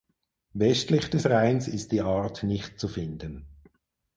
Westlich des Rheins ist die Art nicht zu finden.